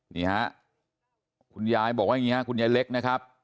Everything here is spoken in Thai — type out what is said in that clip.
นี่ฮะคุณยายบอกว่าอย่างนี้ฮะคุณยายเล็กนะครับ